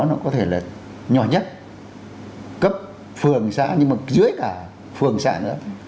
nó có thể là nhỏ nhất cấp phường xã nhưng mà dưới cả phường xã nữa